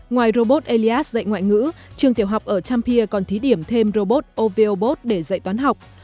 ngoài robot elias dạy ngoại ngữ trường tiểu học ở tampia còn thí điểm thêm robot ovobot để dạy toán học